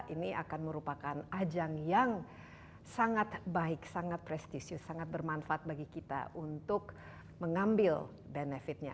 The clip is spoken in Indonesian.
ini akan merupakan ajang yang sangat baik sangat prestisius sangat bermanfaat bagi kita untuk mengambil benefitnya